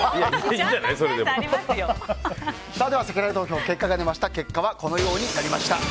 せきらら投票の結果はこのようになりました。